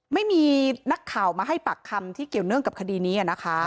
ไม่มีนักข่าวมาให้ปากคำที่เกี่ยวเนื่องกับคดีนี้นะคะ